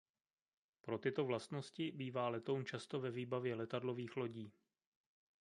Pro tyto vlastnosti bývá letoun často ve výbavě letadlových lodí.